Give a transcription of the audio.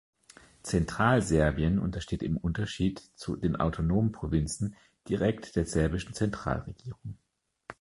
Zentralserbien untersteht im Unterschied zu den autonomen Provinzen direkt der serbischen Zentralregierung.